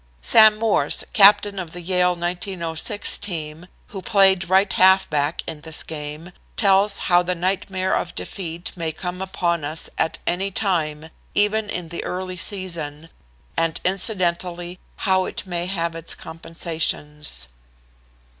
Sam Morse, captain of the Yale 1906 team, who played right halfback in this game, tells how the nightmare of defeat may come upon us at any time, even in the early season, and incidentally how it may have its compensations.